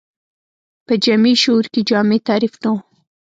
په جمعي شعور کې جامع تعریف نه و